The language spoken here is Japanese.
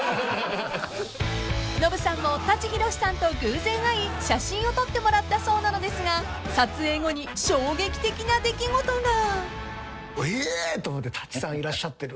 ［ノブさんも舘ひろしさんと偶然会い写真を撮ってもらったそうなのですが撮影後に衝撃的な出来事が］え！と思って舘さんいらっしゃってるっつって。